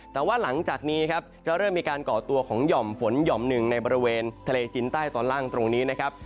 แต่ว่าหลังจากนี้ครับจะเริ่มมีการก่อตัวของห่อมฝนหย่อมหนึ่งในบริเวณทะเลจินใต้ตอนล่างตรงนี้นะครับ